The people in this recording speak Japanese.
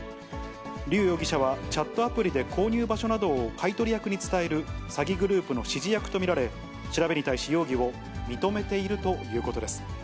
りゅう容疑者はチャットアプリで購入場所などを買い取り役に伝える詐欺グループの指示役と見られ、調べに対し、容疑を認めているということです。